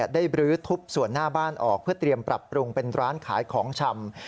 ได้บรื้อทุบส่วนหน้าบ้านออกเพื่อเตรียมปรับปรุงเป็นร้านขายของชำ